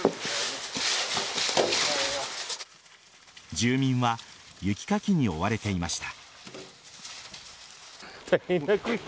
住民は雪かきに追われていました。